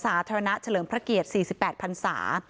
สาธารณะเฉลิมพระเกียรติสี่สิบแปดพันศา